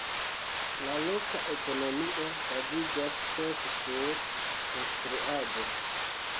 La loka ekonomio baziĝas ĉefe sur instruado.